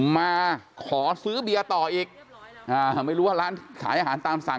มาขอซื้อเบียร์ต่ออีกอ่าไม่รู้ว่าร้านขายอาหารตามสั่ง